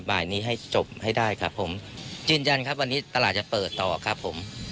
บ่ายนี้ให้จบให้ได้ครับผมยืนยันครับวันนี้ตลาดจะเปิดต่อครับผม